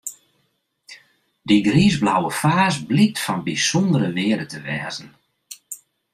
Dy griisblauwe faas blykt fan bysûndere wearde te wêze.